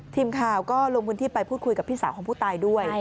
ทีมข่าวก็ลงพื้นที่ไปพูดคุยกับพี่สาวของผู้ตายด้วย